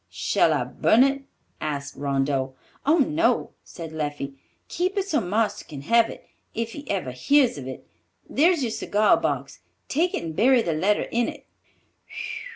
"Shall I burn it?" asked Rondeau. "Oh, no," said Leffie; "keep it so marster can have it, if he ever hears of it. There's your cigar box, take it and bury the letter in it."